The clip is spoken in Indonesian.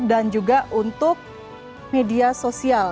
dan juga untuk media sosial